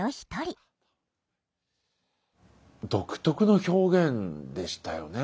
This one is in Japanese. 独特の表現でしたよね。